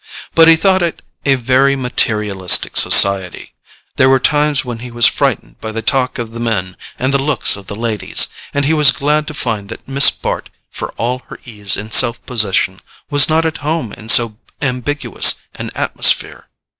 But he thought it a very materialistic society; there were times when he was frightened by the talk of the men and the looks of the ladies, and he was glad to find that Miss Bart, for all her ease and self possession, was not at home in so ambiguous an atmosphere.